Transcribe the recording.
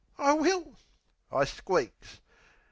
"I will," I squeaks.